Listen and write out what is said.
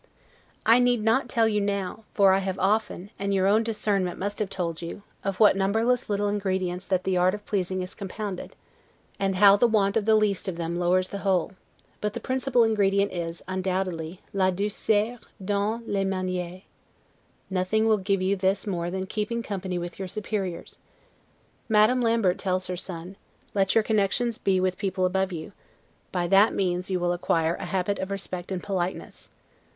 I need not tell you now, for I often have, and your own discernment must have told you, of what numberless little ingredients that art of pleasing is compounded, and how the want of the least of them lowers the whole; but the principal ingredient is, undoubtedly, 'la douceur dans le manieres': nothing will give you this more than keeping company with your superiors. Madame Lambert tells her son, Let your connections be with people above you; by that means you will acquire a habit of respect and politeness.